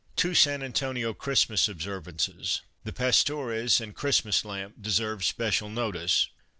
Two San Antonio Christmas observances — the Pastores and Christmas Lamp — deserve special notice.